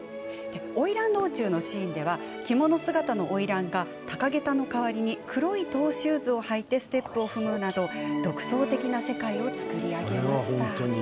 花魁道中のシーンでは着物姿の花魁が高げたの代わりに黒いトウシューズを履いてステップを踏むなど独創的な世界を作り上げました。